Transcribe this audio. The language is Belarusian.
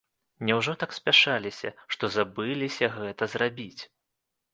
Няўжо так спяшаліся, што забыліся гэта зрабіць.